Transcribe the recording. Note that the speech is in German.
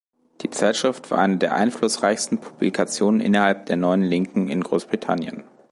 Die Zeitschrift war eine der einflussreichsten Publikationen innerhalb der Neuen Linken in Großbritannien.